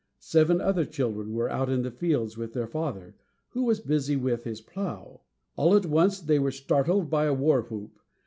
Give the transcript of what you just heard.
Seven other children were out in the fields with their father, who was busy with his plow. All at once, they were startled by a war whoop.